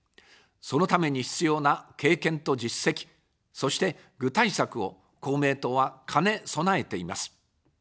そのために必要な経験と実績、そして具体策を公明党は兼ね備えています。